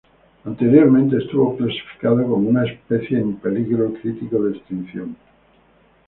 Anteriormente estuvo clasificado como una especie en peligro crítico de extinción.